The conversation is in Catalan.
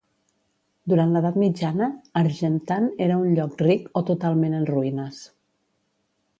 Durant l'Edat Mitjana, Argentan era un lloc ric o totalment en ruïnes.